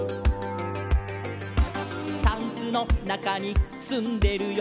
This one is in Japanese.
「タンスのなかにすんでるよ」